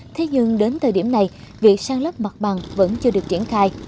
thế nhưng đến thời điểm này việc sang lấp mặt bằng vẫn chưa được triển khai